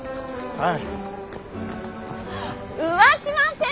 はい？